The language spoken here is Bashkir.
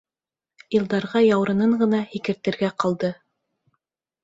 Илдарға яурынын ғына һикертергә ҡалды.